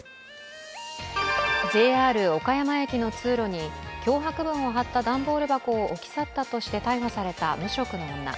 ＪＲ岡山駅の通路に脅迫文を貼った段ボール箱を置き去ったとして逮捕された無職の女。